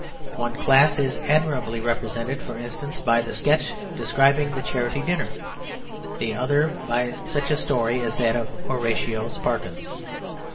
One class is admirably represented, for instance, by the sketch describing the Charity Dinner, the other by such a story as that of Horatio Sparkins.